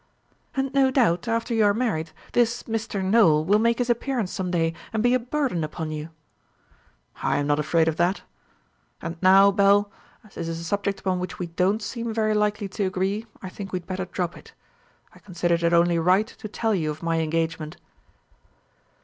"And no doubt, after you are married, this Mr. Nowell will make his appearance some day, and be a burden upon you." "I am not afraid of that. And now, Belle, as this is a subject upon which we don't seem very likely to agree, I think we had better drop it. I considered it only right to tell you of my engagement."